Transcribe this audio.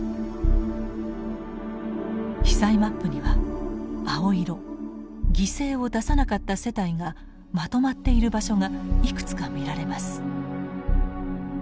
被災マップには青色犠牲を出さなかった世帯がまとまっている場所がいくつか見られます。